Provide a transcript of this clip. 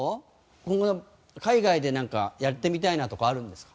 今後海外でなんかやってみたいなとかあるんですか？